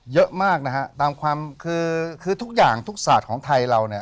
เยอะมากนะฮะตามความคือคือทุกอย่างทุกศาสตร์ของไทยเราเนี่ย